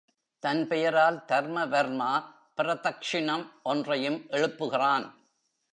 தன் பெயரால் தர்மவர்மா பிரதக்ஷிணம் ஒன்றையும் எழுப்புகிறான்.